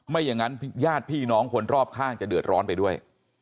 ไม่อย่างนั้นญาติพี่น้องคนรอบข้างจะเดือดร้อนไปด้วย